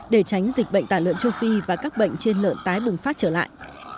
để tránh dịch bệnh tà lợn châu phi và các bệnh trên lợn tái bừng phát trở lại